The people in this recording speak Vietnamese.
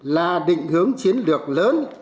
là định hướng chiến lược lớn